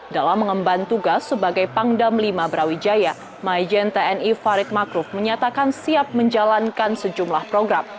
dalam mengemban tugas sebagai pangdam lima brawijaya maijen tni farid makruf menyatakan siap menjalankan sejumlah program